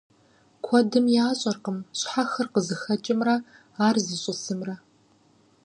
Куэдым ящӀэркъым щхьэхыр къызыхэкӀымрэ ар зищӀысымрэ.